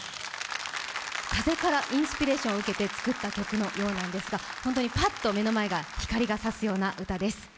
風からインスピレーションを受けて作った曲なんだそうですが本当にパッと目の前に光が差すような歌です。